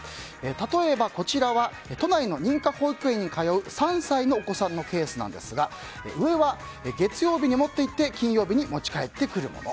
例えばこちらは都内の認可保育園に通う３歳のお子さんのケースですが上は、月曜日に持っていって金曜日に持ち帰ってくるもの。